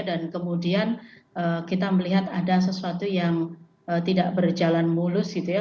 dan kemudian kita melihat ada sesuatu yang tidak berjalan mulus gitu ya